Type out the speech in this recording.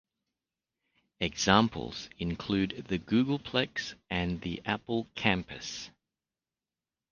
Examples include the Googleplex and the Apple Campus.